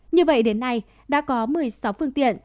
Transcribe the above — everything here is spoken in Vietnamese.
như vậy đến nay đã có một mươi sáu phương tiện